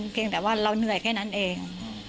เพียงแต่ว่าเราเหนื่อยแค่นั้นเอง